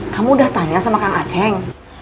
kamu udah tanya sama kang aceh